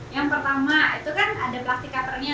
yang pertama itu kan ada plastikatornya kan